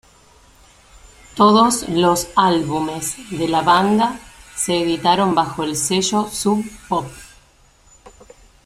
Todos los álbumes de la banda se editaron bajo el sello Sub Pop.